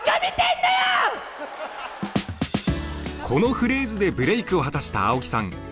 このフレーズでブレークを果たした青木さん。